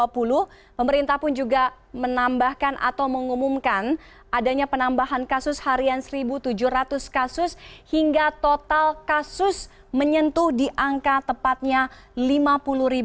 pemerintah pun juga menambahkan atau mengumumkan adanya penambahan kasus harian satu tujuh ratus kasus hingga total kasus menyentuh di angka tepatnya lima puluh satu ratus delapan puluh tujuh pada tanggal dua puluh lima juni